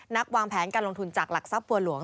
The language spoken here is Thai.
วางแผนการลงทุนจากหลักทรัพย์บัวหลวง